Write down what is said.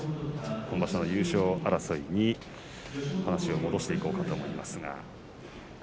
今場所の優勝争いに話を戻していこうかと思います。